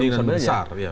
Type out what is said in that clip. di indian besar ya